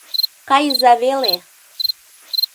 Кайыза веле!